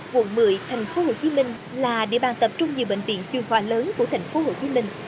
quận một mươi tp hcm là địa bàn tập trung nhiều bệnh viện trường hòa lớn của tp hcm